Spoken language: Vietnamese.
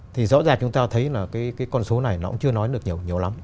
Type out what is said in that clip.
thì rõ ràng chúng ta thấy là cái con số này nó cũng chưa nói được nhiều nhiều lắm